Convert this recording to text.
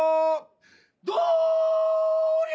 どりゃ！